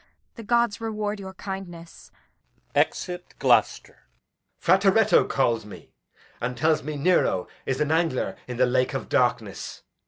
The gods reward your kindness! Exit [Gloucester]. Edg. Frateretto calls me, and tells me Nero is an angler in the lake of darkness.